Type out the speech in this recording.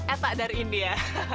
eta dari india